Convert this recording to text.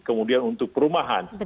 kemudian untuk perumahan